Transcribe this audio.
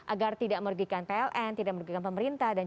agar tidak merugikan pln tidak merugikan pemerintah